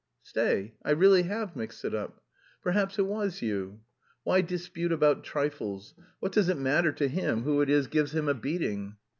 "Stay, I really have mixed it up. Perhaps it was you. Why dispute about trifles? What does it matter to him who it is gives him a beating?"